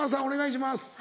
お願いします。